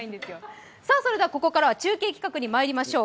ここからは中継企画にまいりましょう。